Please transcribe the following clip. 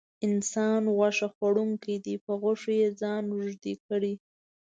انسان غوښه خوړونکی دی په غوښو یې ځان روږدی کړی.